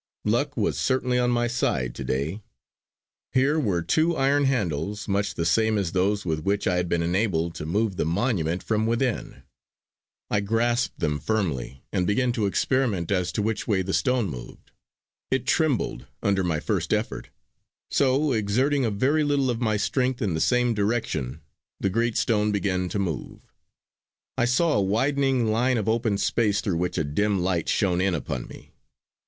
Luck was certainly on my side to day! Here were two iron handles, much the same as those with which I had been enabled to move the monument from within. I grasped them firmly, and began to experiment as to which way the stone moved. It trembled under my first effort; so exerting a very little of my strength in the same direction the great stone began to move. I saw a widening line of open space through which a dim light shone in upon me.